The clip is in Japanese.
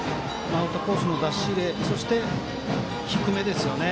アウトコースの出し入れそして、低めですよね。